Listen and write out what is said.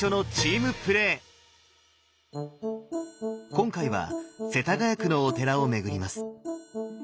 今回は世田谷区のお寺を巡ります。